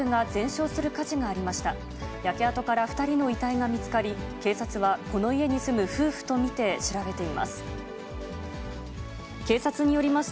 焼け跡から２人の遺体が見つかり、警察は、この家に住む夫婦と見て調べています。